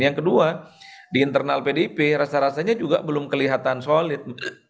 yang kedua di internal pdip rasa rasanya juga belum kelihatan solid